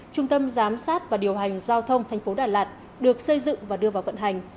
trung tâm giám sát và điều hành giao thông thành phố đà lạt được xây dựng và đưa vào vận hành